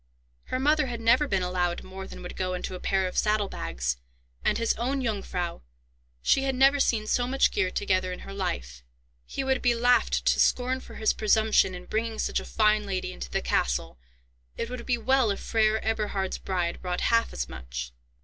Her mother had never been allowed more than would go into a pair of saddle bags; and his own Jungfrau—she had never seen so much gear together in her life; he would be laughed to scorn for his presumption in bringing such a fine lady into the castle; it would be well if Freiherr Eberhard's bride brought half as much.